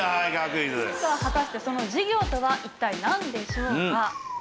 さあ果たしてその事業とは一体なんでしょうか？